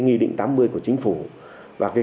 nghị định tám mươi của chính phủ và cái